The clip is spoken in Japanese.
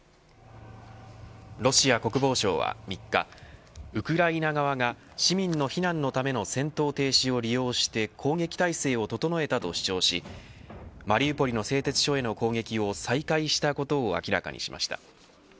ロシア国防省は３日ウクライナ側が市民の避難のための戦闘停止を利用して攻撃態勢を整えたと主張しマリウポリの製鉄所への攻撃を再開したことを明らかにしました。